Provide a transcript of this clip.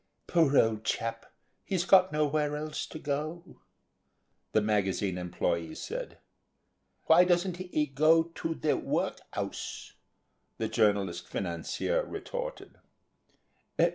"Poor old chap; he's got nowhere else to go to," the magazine employee said. "Why doesn't he go to the work'ouse," the journalist financier retorted.